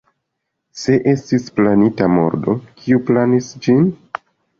Se estis planita murdo, kiu planis ĝin?